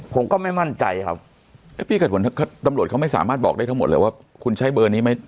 ผมก็ไม่มั่นใจครับพี่เกิดผลตำรวจเขาไม่สามารถบอกได้ทั้งหมดเลยว่าคุณใช้เบอร์นี้ไหม